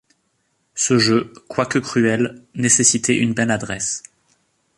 Ce jeu, quoique cruel, nécessitait une belle adresse.